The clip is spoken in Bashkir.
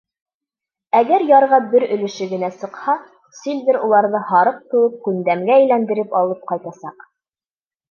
Әгәр ярға бер өлөшө генә сыҡһа, Сильвер уларҙы һарыҡ кеүек күндәмгә әйләндерел алып ҡайтасаҡ.